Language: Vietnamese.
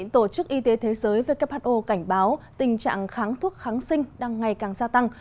tổ chức y tế thế giới who cảnh báo tình trạng kháng thuốc kháng sinh đang ngày càng gia tăng